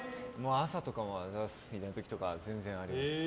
朝とか、起きれない時とか全然あります。